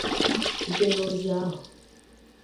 Site n'ozi ahụ